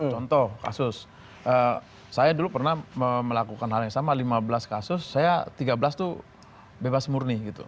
contoh kasus saya dulu pernah melakukan hal yang sama lima belas kasus saya tiga belas itu bebas murni gitu